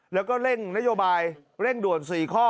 แล้วก็เร่งนโยบายเร่งด่วน๔ข้อ